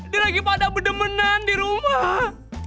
dia lagi pada berdemenan di rumah